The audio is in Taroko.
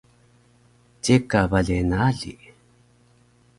Ceka bale naali